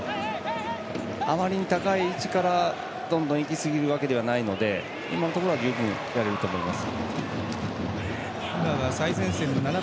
あまりに高い位置からどんどんいきすぎるわけではないので今のところは十分やれると思います。